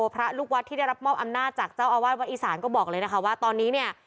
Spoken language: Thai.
เพราะว่าวัดวัดอีสานก็บอกเลยนะคะว่าตอนนี้เนี่ย